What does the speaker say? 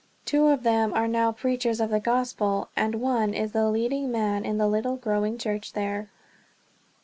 Two of them are now preachers of the Gospel, and one is the leading man in the little growing church there.